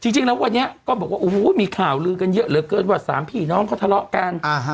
จริงแล้ววันนี้ก็บอกว่าโอ้โหมีข่าวลือกันเยอะเหลือเกินว่าสามพี่น้องเขาทะเลาะกัน